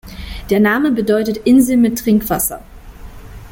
Der Name bedeutet 'Insel mit Trinkwasser'.